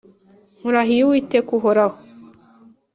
Nkurahiye Uwiteka uhoraho.